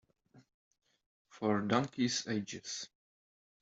For donkeys' ages.